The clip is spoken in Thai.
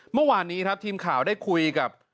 ทุกวันนี้ทีมข่าวได้คุยกับ